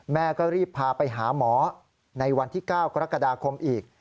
แม่ก็รีบพาไปหาหมอในวันที่๙กรกฎาคมอีก